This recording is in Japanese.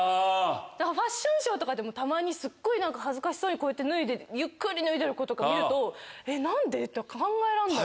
ファッションショーとかでもたまにすっごい恥ずかしそうにこうやってゆっくり脱いでる子とか見ると何で？考えらんない。